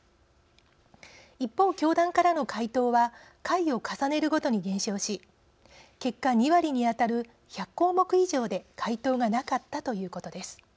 一方教団からの回答は回を重ねるごとに減少し結果２割にあたる１００項目以上で回答がなかったということです。